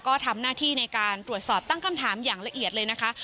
ก็ทำหน้าที่ในการตรวจสอบตั้งคำถามอย่างละเอียดเลยนะคะ